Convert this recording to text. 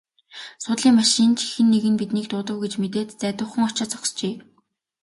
Суудлын машин ч хэн нэг нь биднийг дуудав гэж мэдээд зайдуухан очоод зогсжээ.